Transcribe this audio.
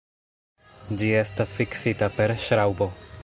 Ĝi estas fiksita per ŝraŭbo.